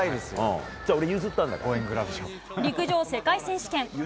陸上世界選手権。